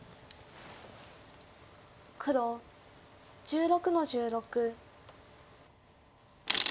黒１６の十六。